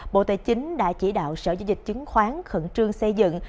bộ tài chính đã chỉ đạo sở giao dịch chứng khoán khẩn trương xây dựng